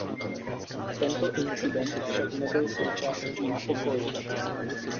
Tento incident však nebyl součástí nepokojů.